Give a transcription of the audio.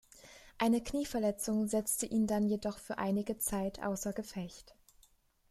Eine Knieverletzung setzte ihn dann jedoch für einige Zeit außer Gefecht.